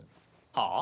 はあ？